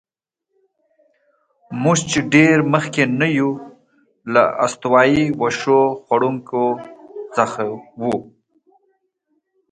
موږ چې ډېر مخکې نه یو، له استوایي وښو خوړونکو څخه وو.